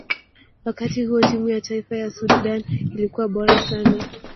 wakati huo timu ya taifa ya sudan ilikuwa bora sana